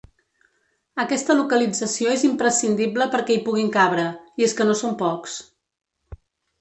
Aquesta localització és imprescindible perquè hi puguin cabre, i és que no són pocs.